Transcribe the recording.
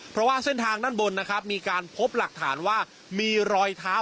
เพราะว่าเส้นทางด้านบนนะครับมีการพบหลักฐานว่ามีรอยเท้า